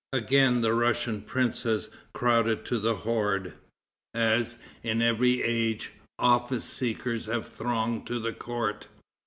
Again the Russian princes crowded to the horde, as, in every age, office seekers have thronged the court.